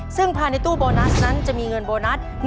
ซึ่งภายในตู้โบนัสนั้นจะมีเงินโบนัส